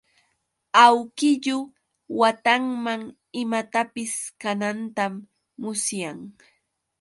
Awkillu watanman imatapis kanantam musyan.